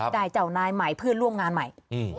เจ้านายใหม่เพื่อนร่วมงานใหม่